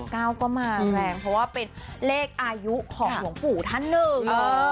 เก้าก็มาแรงเพราะว่าเป็นเลขอายุของหลวงปู่ท่านหนึ่ง